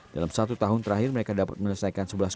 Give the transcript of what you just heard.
dalam satu tahun terakhir mereka dapat menyelesaikan sebelas komposisi